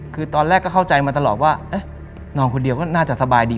คือตอนแรกก็เข้าใจมาตลอดว่านอนคนเดียวก็น่าจะสบายดี